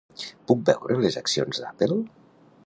Puc veure les accions d'Apple?